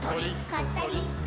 ことりっ！